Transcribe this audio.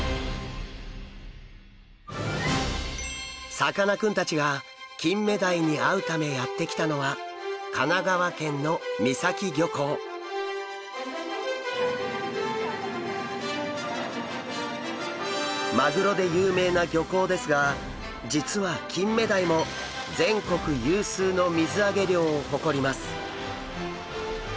さかなクンたちがキンメダイに会うためやって来たのはマグロで有名な漁港ですが実はキンメダイも全国有数の水揚げ量を誇ります。